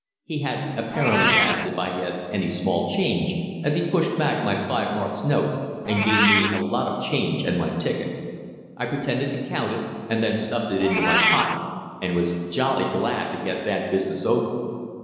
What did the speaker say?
He had apparently asked if I had any small change, as he pushed back my 5 marks note and gave me a lot of change and my ticket. I pretended to count it and then stuffed it into my pocket and was jolly glad to get that business over.